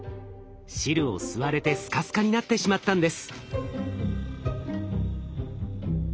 汁を吸われてスカスカになってしまったんです。